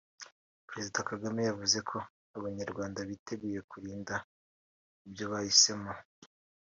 Perezida Kagame yavuze ko Abanyarwanda biteguye kurinda ibyo bahisemo